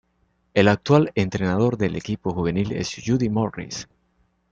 El actual entrenador del equipo juvenil es Jody Morris.